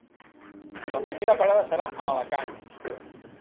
La primera parada serà a Alacant.